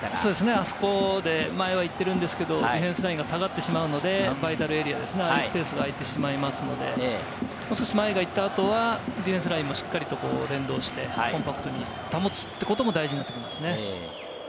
あそこで前に行ってるんですけれど、ディフェンスラインが下がってしまうので、バイタルエリアですね、空いたスペースが空いてしまいますので、もう少し前が行った後はディフェンスラインもしっかりと連動して、コンパクトに保つということも大事になってきますね。